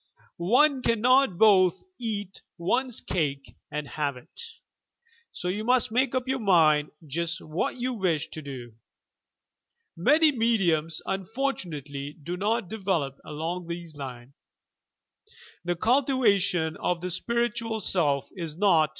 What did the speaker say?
One canno^t both eat one's cake and have it I So you must make up your mind just what you wish to do. Many mediums unfortunately do not develop along this line. The cultivation of the spiritual self is not.